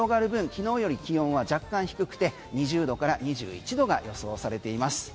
昨日より気温は若干低くて２０度から２１度が予想されています。